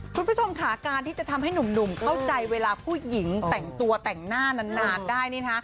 คุณผู้ชมค่ะการที่จะทำให้หนุ่มเข้าใจเวลาผู้หญิงแต่งตัวแต่งหน้านานได้นี่นะ